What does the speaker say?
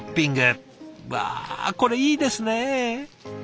わあこれいいですねえ。